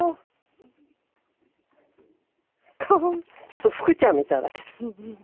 ちょっとフクちゃんみたいだけど。